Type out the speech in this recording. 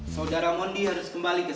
saudara mondi harus kembali ke